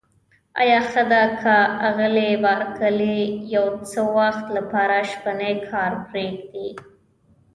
آیا ښه ده که آغلې بارکلي د یو څه وخت لپاره شپنی کار پرېږدي؟